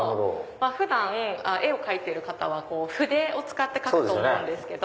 普段絵を描いてる方は筆を使って描くと思うんですけど。